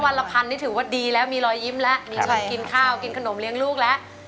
ละพันนี่ถือว่าดีแล้วมีรอยยิ้มแล้วมีคนกินข้าวกินขนมเลี้ยงลูกแล้ว